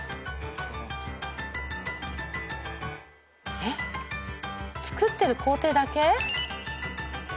えっ作ってる工程だけ？